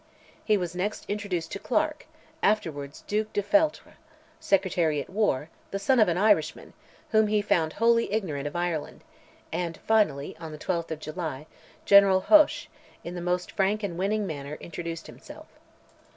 He was next introduced to Clarke (afterwards Duc de Feltre), Secretary at War, the son of an Irishman, whom he found wholly ignorant of Ireland; and finally, on the 12th of July, General Hoche, in the most frank and winning manner, introduced himself.